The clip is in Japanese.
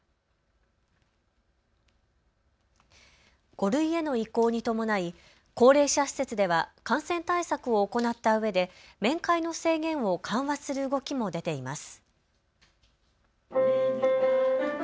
５類への移行に伴い高齢者施設では感染対策を行ったうえで面会の制限を緩和する動きも出ています。